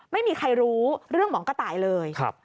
ไม่มีใครรู้เรื่องหมองกระต่ายเลย